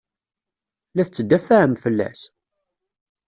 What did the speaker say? La tettdafaɛem fell-as?